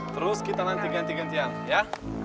terus kita nanti ganti gantian ya